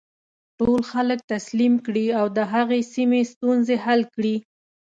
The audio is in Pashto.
ټول خلک تسلیم کړي او د هغې سیمې ستونزې حل کړي.